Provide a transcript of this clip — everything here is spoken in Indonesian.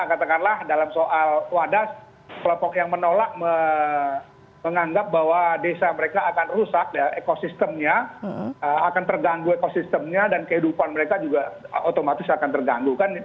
katakanlah dalam soal wadas kelompok yang menolak menganggap bahwa desa mereka akan rusak ekosistemnya akan terganggu ekosistemnya dan kehidupan mereka juga otomatis akan terganggu